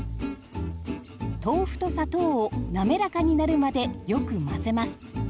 豆腐と砂糖をなめらかになるまでよく混ぜます。